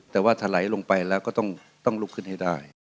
แต่ว่าถ่าไหลลงไปก็ต้องลุกขึ้นให้ได้